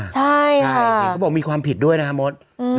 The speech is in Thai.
ใช่อะคุณบอกว่ามีความผิดด้วยนะโม้ด